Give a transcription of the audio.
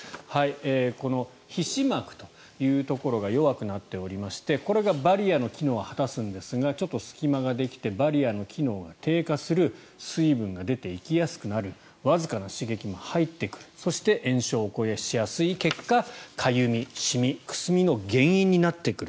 この皮脂膜というところが弱くなっておりましてこれがバリアの機能を果たすんですがちょっと隙間ができてバリアの機能が低下する水分が出ていきやすくなるわずかな刺激も入ってくるそして炎症を起こしやすい結果、かゆみ、シミ、くすみの原因になってくる。